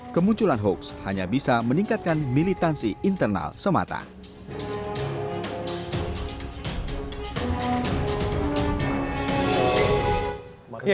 kemunculan hoax hanya bisa meningkatkan militansi internal semata